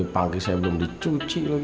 udah pagi saya belum dicuci lagi